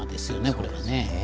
これはね。